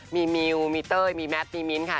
มีมิวมีเต้ยมีแมทมีมิ้นท์ค่ะ